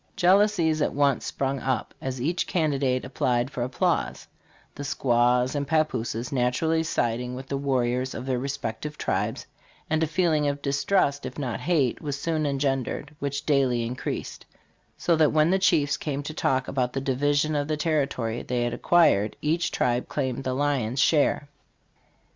Jealousies at once sprung up as each candidate applied for applause, the squaws and pap pooses naturally siding with the warriors of their respective tribes, and a feeling of distrust, if 'not hate, was soon engendered, which daily increased, so that when the chiefs came to talk about the division of the territory they had acquired, each tribe claimed the lion's share.